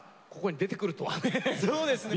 そうですね。